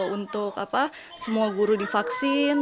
untuk semua guru divaksin